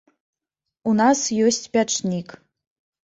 У нас ёсць пячнік.